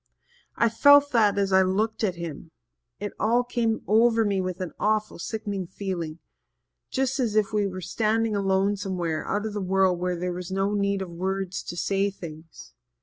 I felt that as I looked at him it all came over me with an awful sickening feeling just as if we were standing alone somewhere out of the world where there was no need of words to say things.